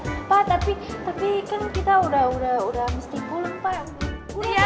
apa tapi kan kita udah mesti pulang pak